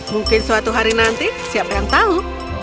mungkin suatu hari nanti siapa yang tahu